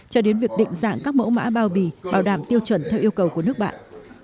cho đến việc định dạng các mẫu mã bao bì bảo đảm tiêu chuẩn theo yêu cầu của nước bạn